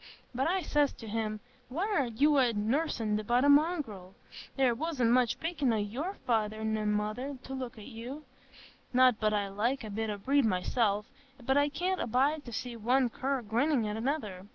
But I says to him, 'Why, what are you yoursen but a mongrel? There wasn't much pickin' o' your feyther an' mother, to look at you.' Not but I like a bit o' breed myself, but I can't abide to see one cur grinnin' at another.